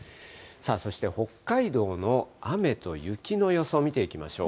そして北海道の雨と雪の予想を見ていきましょう。